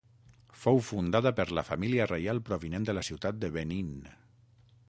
Fou fundada per la família reial provinent de la ciutat de Benín.